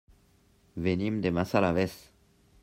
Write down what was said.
Venim de Massalavés.